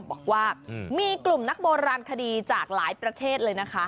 บอกว่ามีกลุ่มนักโบราณคดีจากหลายประเทศเลยนะคะ